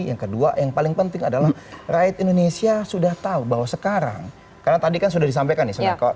yang kedua yang paling penting adalah rakyat indonesia sudah tahu bahwa sekarang karena tadi kan sudah disampaikan